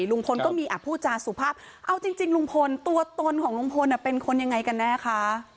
ลุงพลก็มีอ่ะพูดจาสุภาพเอาจริงลุงพลตัวตนของลุงพลเป็นคนยังไงกันแน่คะ